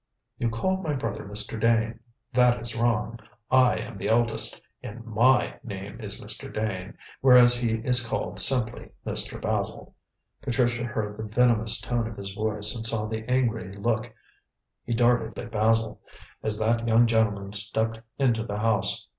"You called my brother Mr. Dane. That is wrong. I am the eldest, and my name is Mr. Dane, whereas he is called simply Mr. Basil." Patricia heard the venomous tone of his voice and saw the angry look he darted at Basil, as that young gentleman stepped into the house.